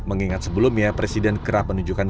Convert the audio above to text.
mengingat sebelumnya presiden kerap menunjukkan